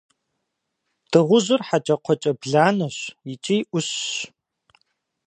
Дыгъужьыр – хьэкӏэкхъуэкӏэ бланэщ икӏи ӏущщ.